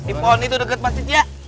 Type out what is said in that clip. iponi tuh deket masjid ya